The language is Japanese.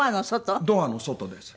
ドアの外です。